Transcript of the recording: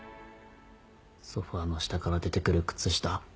ソファの下から出てくる靴下。